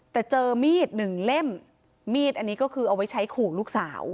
แต่เจอมีดหนึ่งเล่มมีดอันนี้ก็คือเอาไว้ใช้ขู่ลูกสาว